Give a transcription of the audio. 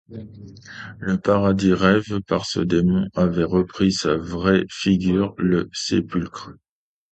Le paradis rêvé par ce démon avait repris sa vraie figure, le sépulcre.